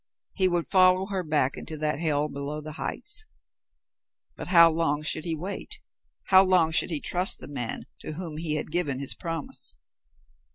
He would follow her back into that hell below the heights. But how long should he wait? How long should he trust the man to whom he had given his promise?